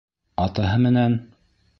Атаһы менән?